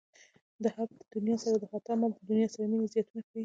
حب د دنیا سر د خطا متل د دنیا سره مینې زیانونه ښيي